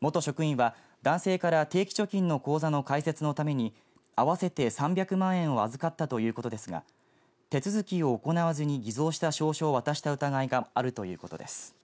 元職員は男性から定期貯金の口座の開設のために合わせて３００万円を預かったということですが手続きを行わずに偽造した証書を渡した疑いがあるということです。